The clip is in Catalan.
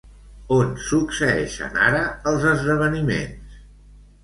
On succeeixen ara els esdeveniments?